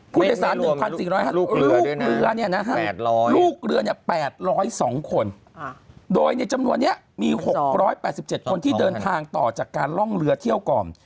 ผู้โดยสาร๑๔๐๕ลูกเรือลูกเรือ๘๐๒คนโดยในจำนวนนี้มี๖๘๗คนที่เดินทางต่อจากการล่องเรือเที่ยวก่อน